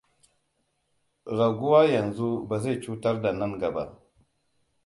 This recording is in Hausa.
Raguwa yanzu ba zai cutar ba nan gaba.